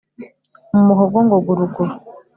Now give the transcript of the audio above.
Mu muhogo ngo guruguru